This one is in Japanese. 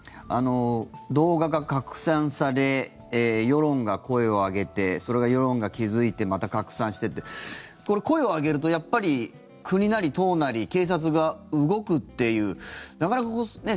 動画が拡散され世論が声を上げてそれが世論が気付いてまた拡散してってこれ、声を上げるとやっぱり国なり党なり警察が動くっていう、なかなかね